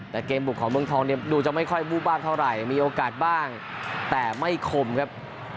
แต่เกมบุกของเมืองทองเนี่ยดูจะไม่ค่อยบู้บ้านเท่าไหร่มีโอกาสบ้างแต่ไม่คมครับ